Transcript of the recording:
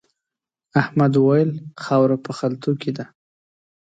احمد وويل: خاوره په خلتو کې ده.